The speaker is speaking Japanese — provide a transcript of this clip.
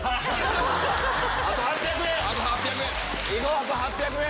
あと８００円！